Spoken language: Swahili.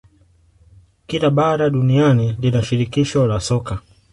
Kila bara duniani lina shirikisho la soka